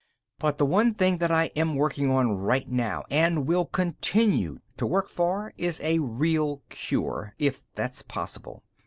"But the one thing that I am working for right now and will continue to work for is a real cure, if that's possible.